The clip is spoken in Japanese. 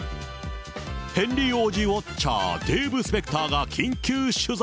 ヘンリー王子ウォッチャー、デーブ・スペクターが緊急取材。